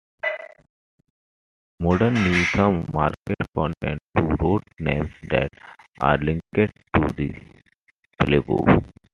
Modern Needham Market contains two road names that are linked to the plague.